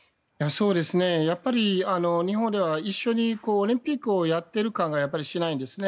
やっぱり日本では一緒にオリンピックをやっている感がしないんですね。